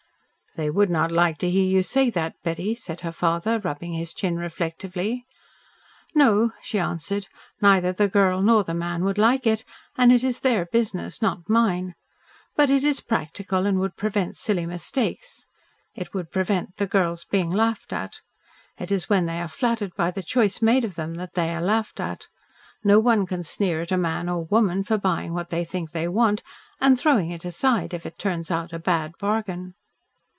"They would not like to hear you say that, Betty," said her father, rubbing his chin reflectively. "No," she answered. "Neither the girl nor the man would like it, and it is their business, not mine. But it is practical and would prevent silly mistakes. It would prevent the girls being laughed at. It is when they are flattered by the choice made of them that they are laughed at. No one can sneer at a man or woman for buying what they think they want, and throwing it aside if it turns out a bad bargain."